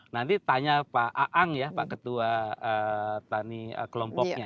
nanti tanya pak aang ya pak ketua tani kelompoknya